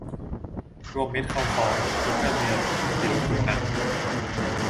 รวมมิตรคำฟ้อง ยุคการเมืองอิรุงตุงนัง